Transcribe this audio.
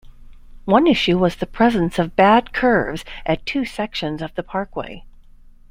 One issue was the presence of "bad curves" at two sections of the parkway.